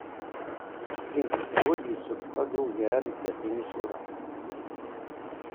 Clint Eastwood yessufeɣ-d ugar n tlatin isura.